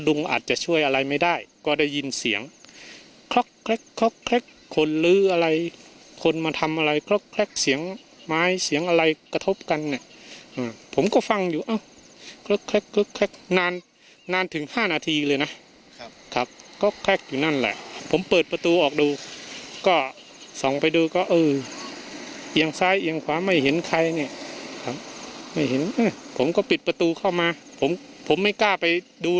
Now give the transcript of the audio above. อาจจะช่วยอะไรไม่ได้ก็ได้ยินเสียงคล็อกคนลื้ออะไรคนมาทำอะไรคล็กเสียงไม้เสียงอะไรกระทบกันเนี่ยผมก็ฟังอยู่เอ้าก็แค่นานนานถึงห้านาทีเลยนะครับครับก็แคลกอยู่นั่นแหละผมเปิดประตูออกดูก็ส่องไปดูก็เออเอียงซ้ายเอียงขวาไม่เห็นใครเนี่ยครับไม่เห็นผมก็ปิดประตูเข้ามาผมผมไม่กล้าไปดู